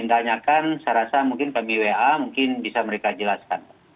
yang perlu kami tanyakan saya rasa mungkin kami wa mungkin bisa mereka jelaskan